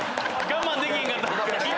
我慢できひんかった。